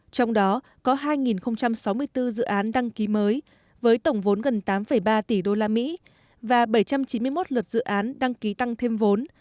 trong đó có hai sáu mươi bốn dự án đăng ký mới với tổng vốn gần tám ba tỷ usd và bảy trăm chín mươi một luật dự án đăng ký tăng thêm vốn